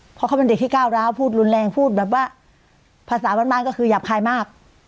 เพราะเขาเป็นเด็กที่ก้าวร้าวพูดรุนแรงพูดแบบว่าภาษาบ้านก็คือหยาบคายมาก